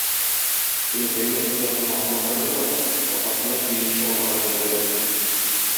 Көнекәйне үз атына атландырды да, атасына сөенче алырга җибәрде.